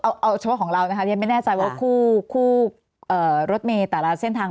เอาเอาเฉพาะของเรานะคะยังไม่แน่ใจว่าคู่คู่เอ่อรถเมตรอาหารเส้นทาง